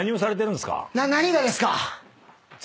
何がですか？